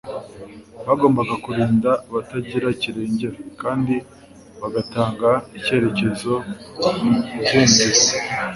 Bagombaga kurinda abatagira kirengera, kandi bagatanga icyitegererezo mu kwumvira